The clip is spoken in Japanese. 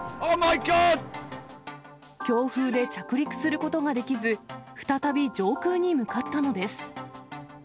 強風で着陸することができず、再び上空に向かったのです。